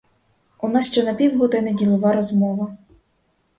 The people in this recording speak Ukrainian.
У нас ще на півгодини ділова розмова.